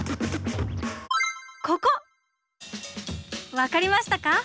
分かりましたか？